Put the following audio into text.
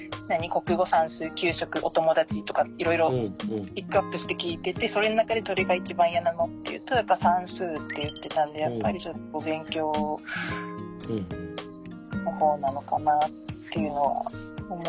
国語算数給食お友達とかいろいろピックアップして聞いてて「それの中でどれが一番嫌なの？」って言うとやっぱ「算数」って言ってたんでやっぱりちょっとお勉強の方なのかなっていうのは思う。